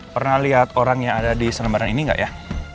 pernah lihat orang yang ada di selembaran ini nggak ya